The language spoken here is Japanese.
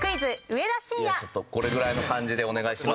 ちょっとこれぐらいの感じでお願いしますよ。